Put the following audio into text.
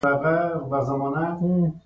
سپوږمۍ ځمکې ته یوه مخ ښکاره کوي